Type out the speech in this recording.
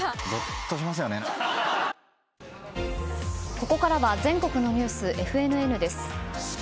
ここからは全国のニュース、ＦＮＮです。